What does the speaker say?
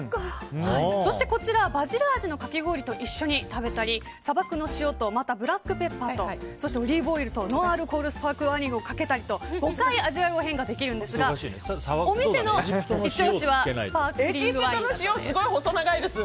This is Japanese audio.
そしてこちらバジル味のかき氷と一緒に食べたり、砂漠の塩とまた、ブラックペッパーオリーブオイルやノンアルコールのスパークリングワインをかけたりと５回味わいを変化できるんですがお店のイチ押しはスパークリングワインだそうです。